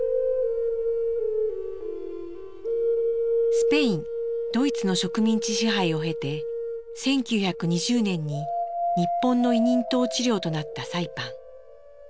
スペインドイツの植民地支配を経て１９２０年に日本の委任統治領となったサイパン。